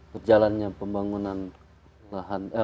perjalannya pembangunan lahan